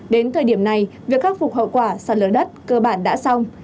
đến thời điểm này việc khắc phục hậu quả sạt lở đất cơ bản đã xong